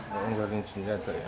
mengeluarkan senjata ya